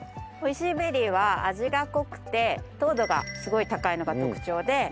おいＣベリーは味が濃くて糖度がすごい高いのが特徴で。